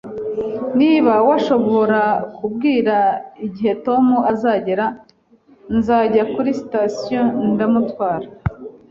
Niba washobora kumbwira igihe Tom azagera, nzajya kuri sitasiyo ndamutwara